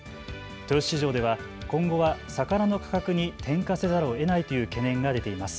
豊洲市場では今後は魚の価格に転嫁せざるをえないという懸念が出ています。